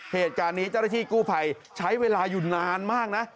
เหตุการณ์นี้เจ้าหน้าที่กู้ภัยใช้เวลาอยู่นานมากนะ